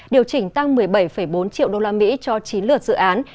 điều chỉnh tăng một mươi bảy bốn triệu usd cho chín lượt dự án